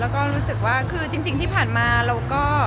แล้วก็รู้สึกว่าคือจริงที่ผ่านมาเราก็